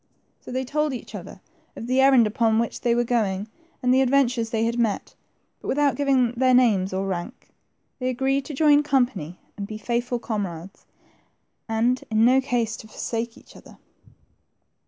So they told each other of the errand upon which they were going, and the adventures they had met, but without giving their names or rank. They agreed to join company and be faithful comrades, and in no case to forsake each other.